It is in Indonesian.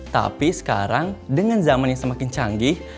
tapi sekarang dengan zaman yang semakin canggih